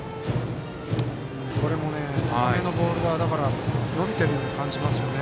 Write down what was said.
これもボールが伸びてるように感じますね。